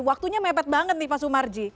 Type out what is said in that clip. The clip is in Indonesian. waktunya mepet banget nih pak sumarji